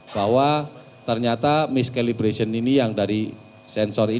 bahwa ternyata miskalibrasi ini yang dari sensor